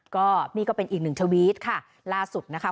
ก็นี่ก็เป็นอีกหนึ่งทวีตค่ะล่าสุดนะคะ